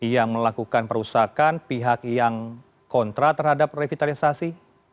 yang melakukan perusakan pihak yang kontra terhadap revitalisasi